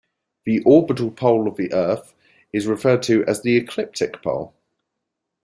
The orbital pole of the earth is referred to as the Ecliptic pole.